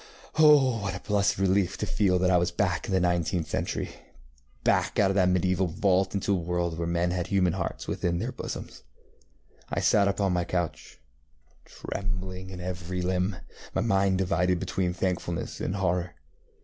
Oh, what a blessed relief to feel that I was back in the nineteenth centuryŌĆöback out of that medieval vault into a world where men had human hearts within their bosoms. I sat up on my couch, trembling in every limb, my mind divided between thankfulness and horror.